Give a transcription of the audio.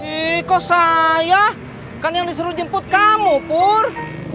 eh kok saya kan yang disuruh jemput kamu pur